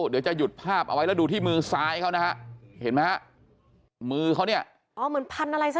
เหมือนพันอะไรสักอย่างอยู่ปะครับ